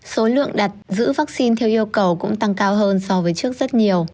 số lượng đặt giữ vaccine theo yêu cầu cũng tăng cao hơn so với trước rất nhiều